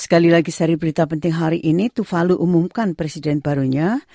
sekali lagi seri berita penting hari ini tuvalu umumkan presiden barunya